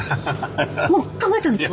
もう考えたんですか